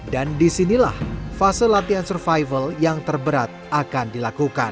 dan disinilah fase latihan survival yang terberat akan dilakukan